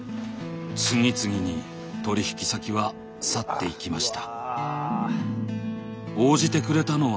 次々に取引先は去っていきました。